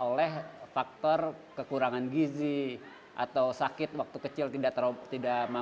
oleh faktor kekurangan gizi atau sakit waktu kecil tidak mampu